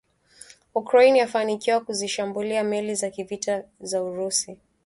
Ukraine yafanikiwa kuzishambulia meli za kivita za Urusi